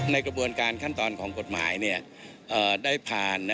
ในกระบวนการขั้นตอนของกฎหมายได้ผ่าน